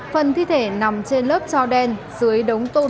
phần thi thể nằm trên lớp trò đen dưới đống tôn đồn